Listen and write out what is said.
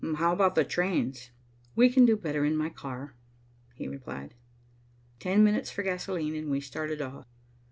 "How about the trains?" "We can do it better in my car," he replied. Ten minutes for gasolene, and we started off.